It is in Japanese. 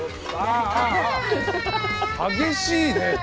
激しいね！